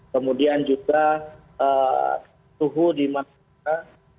kemudian juga suhu di mana